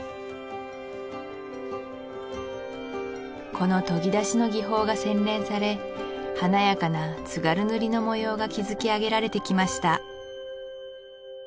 この研ぎ出しの技法が洗練され華やかな津軽塗の模様が築き上げられてきました